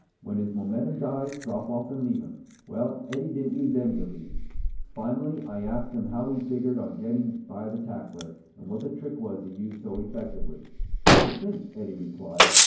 When his momentum dies, drop off and leave him. Well, Eddie didn't use any of these. Finally I asked him how he figured on getting by the tackler, and what the trick was he used so effectively. "'It's a cinch,' Eddie replied.